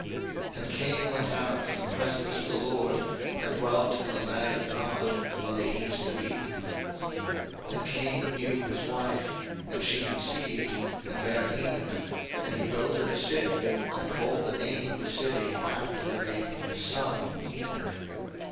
01:004:016 And Cain went out from the presence of the LORD, and dwelt in the land of Nod, on the east of Eden. 01:004:017 And Cain knew his wife; and she conceived, and bare Enoch: and he builded a city, and called the name of the city, after the name of his son, Enoch.